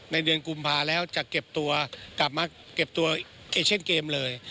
ในเดือนกุมภาแล้วจะเก็บตัวกลับมาเก็บตัวเอเชนเกมเลย